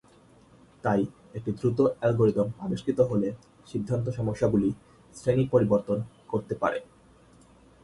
তাই, একটি দ্রুত অ্যালগরিদম আবিষ্কৃত হলে সিদ্ধান্ত সমস্যাগুলি শ্রেণী পরিবর্তন করতে পারে।